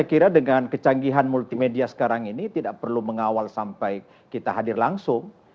saya kira dengan kecanggihan multimedia sekarang ini tidak perlu mengawal sampai kita hadir langsung